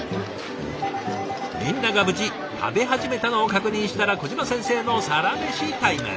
みんなが無事食べ始めたのを確認したら小島先生のサラメシタイム。